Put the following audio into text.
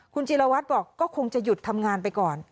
คุณจีรวัตรบอกก็คงจะหยุดทำงานไปก่อน